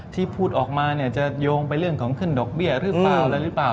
ที่พูดออกมาจะโยงไปเรื่องของขึ้นดอกเบี้ยหรือเปล่า